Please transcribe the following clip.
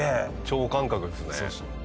超感覚ですね。